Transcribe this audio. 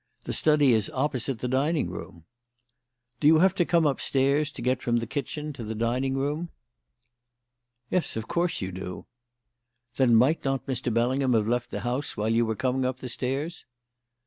The study is opposite the dining room." "Do you have to come upstairs to get from the kitchen to the dining room?" "Yes, of course you do!" "Then might not Mr. Bellingham have left the house while you were coming up the stairs?"